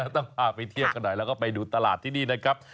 ต้องพาไปเที่ยวกันหน่อยแล้วก็ไปดูตลาดที่นี่นะครับ